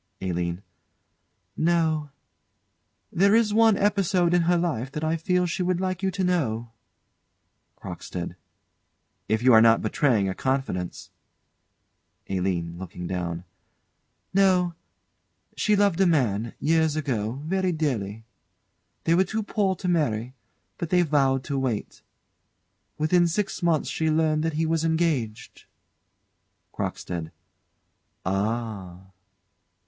ALINE. No. There is one episode in her life that I feel she would like you to know CROCKSTEAD. If you are not betraying a confidence ALINE. [Looking down.] No. She loved a man, years ago, very dearly. They were too poor to marry, but they vowed to wait. Within six months she learned that he was engaged. CROCKSTEAD. Ah!